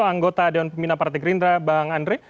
anggota dewan pembina partai gerindra bang andre